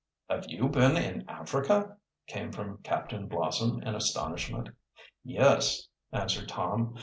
"Have you been in Africa?" came from Captain Blossom in astonishment. "Yes," answered Tom.